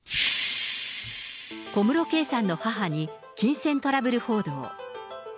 小室圭さんの母に金銭トラブル報道。